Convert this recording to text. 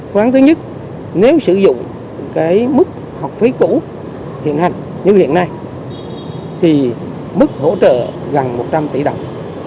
khoáng thứ nhất nếu sử dụng cái mức học phí cũ hiện hành như hiện nay thì mức hỗ trợ gần một trăm linh tỷ đồng